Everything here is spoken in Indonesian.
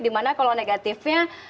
dimana kalau negatifnya